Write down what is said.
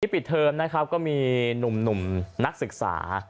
ปิดเทอมนะครับก็มีหนุ่มนักศึกษา